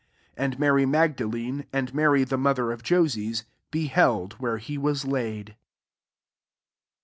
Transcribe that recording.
47 And Mary Magdalene, and Mary the mother of Joses, beheld where he was laid.